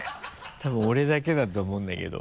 多分俺だけだと思うんだけど。